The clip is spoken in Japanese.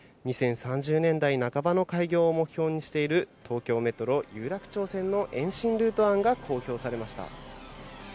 ２０３０年代半ばの開業を目標にしている東京メトロ有楽町線の延伸ルート案が公表されました。